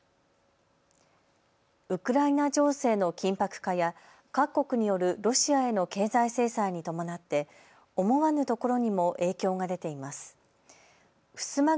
ウクライナ情勢の緊迫化や各国によるロシアへの経済制裁に伴って思わぬところにも影響が出ています。